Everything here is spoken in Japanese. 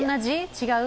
違う？